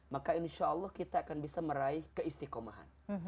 maka insya allah kita akan bisa meraih keistikomahan